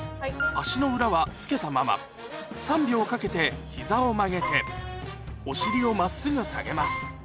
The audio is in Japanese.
足の裏はつけたまま３秒かけて膝を曲げてお尻を真っすぐ下げます